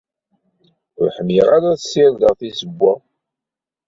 Ur ḥemmleɣ ara ad ssirdeɣ tizewwa.